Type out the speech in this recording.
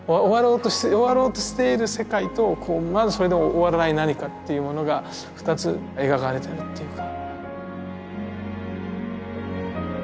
終わろうとしている世界とまだそれでも終わらない何かっていうものが２つ描かれてるっていうか。